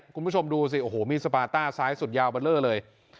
คุณผู้ชมดูสิโอ้โหมีดสปาต้าซ้ายสุดยาวเบอร์เลอร์เลย